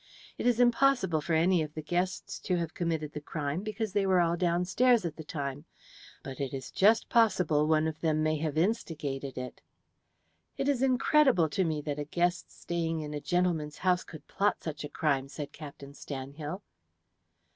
It is impossible for any of the guests to have committed the crime, because they were all downstairs at the time, but it is just possible one of them may have instigated it." "It is incredible to me that a guest staying in a gentleman's house could plot such a crime," said Captain Stanhill.